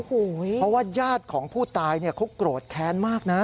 เพราะว่าญาติของผู้ตายเขาโกรธแค้นมากนะ